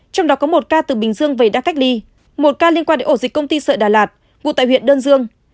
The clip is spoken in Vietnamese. cách ly một ca liên quan ổ dịch công ty sợi đà lạt ngụ tại huyện đơn dương